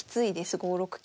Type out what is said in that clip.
５六金。